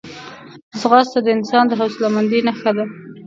ځغاسته د انسان د حوصلهمندۍ نښه ده